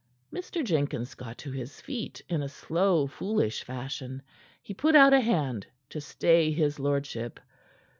Mr. Jenkins got to his feet, in a slow, foolish fashion. He put out a hand to stay his lordship.